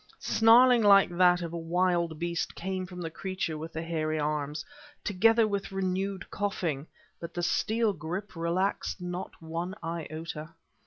Snarling like that of a wild beast came from the creature with the hairy arms, together with renewed coughing. But the steel grip relaxed not one iota.